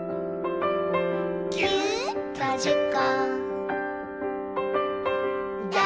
「ぎゅっとじゅっこ」